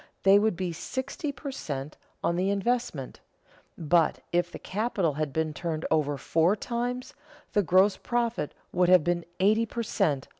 they would be sixty per cent. on the investment; but, if the capital had been turned over four times, the gross profit would have been eighty per cent.